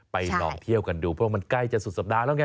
ลองเที่ยวกันดูเพราะมันใกล้จะสุดสัปดาห์แล้วไง